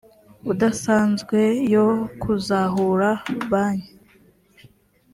udasanzwe yo kuzahura banki